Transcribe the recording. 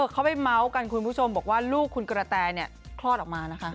เขาไปเมาส์กันคุณผู้ชมบอกว่าลูกคุณกระแตคลอดออกมานะคะ